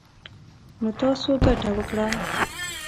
نـو تـاسو ګـټـه وكړه.